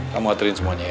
kamu aturin semuanya ya